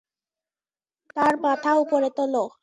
তার মাথা উপরে তোলো!